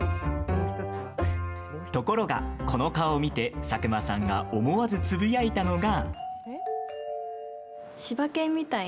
ところが、この顔を見て佐久間さんが思わずつぶやいたのが。